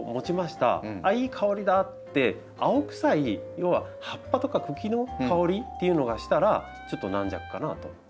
「ああいい香りだ」って青臭い要は葉っぱとか茎の香りというのがしたらちょっと軟弱かなと。